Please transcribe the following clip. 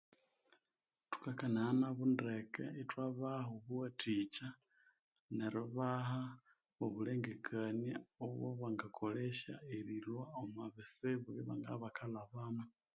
Tukakanaya nabo ndeke thwabaha obuwatikya neribaha obulengakania obwabangakolesya Erika omwabitsibo ebyabangabya ibakalhabamo.